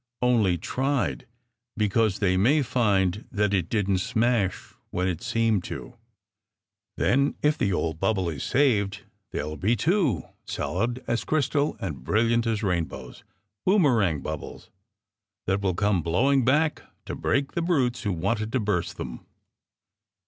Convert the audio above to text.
Only tried, because they may find that it didn t smash when it seemed to ! Then if the old bubble is saved, there ll be two, solid as crystal and brilliant as rainbows boom erang bubbles that will come blowing back to break the brutes who wanted to burst them!"